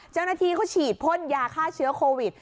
เจ้าหน้าที่เขาฉีดพ่นยาฆ่าเชื้อโควิด